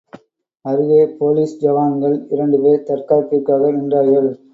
அருகே போலீஸ் ஜவான்கள் இரண்டு பேர் பாதுகாப்பிற்காக நின்றார்கள்.